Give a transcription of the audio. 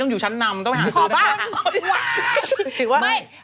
ต้องอยู่ชั้นนำต้องหาซื้อได้ค่ะ